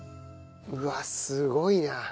うわっすごいな。